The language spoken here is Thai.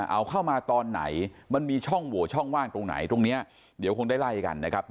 เอาเข้ามาตอนไหนมันมีช่องโหวตช่องว่างตรงไหนตรงนี้เดี๋ยวคงได้ไล่กันนะครับ